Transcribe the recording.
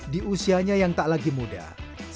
merekapannya kuat tiga puluh tiga mm s